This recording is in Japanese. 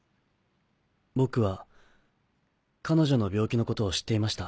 僕は彼女の病気のことを知っていました。